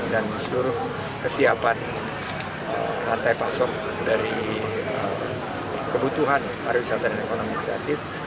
dan suruh kesiapan rantai pasok dari kebutuhan pariwisata dan ekonomi kreatif